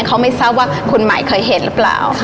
เขาไม่ทราบว่าคุณหมายเคยเห็นหรือเปล่า